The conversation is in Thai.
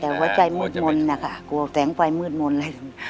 แต่หัวใจมืดมนต์นะคะกลัวแสงไฟมืดมนต์อะไร